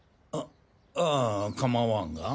ああかまわんが。